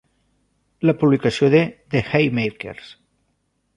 La publicació de "The Haymakers".